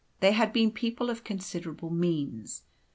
They had been people of considerable means.